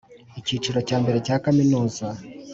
Icyiciro cya mbere cya kaminuza